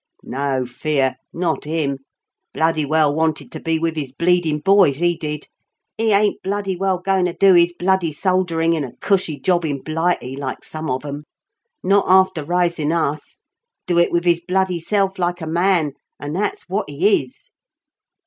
"No fear. Not 'im. Bloody well wanted to be wiv 'is bleedin' boys, 'e did. 'E ain't bloody well goin' to do 'is bloody solderin' in a 'cushy' job in Blighty like some of 'em. Not after rysin' us. Do it wiv 'is bloody self like a man; an' that's wot 'e is."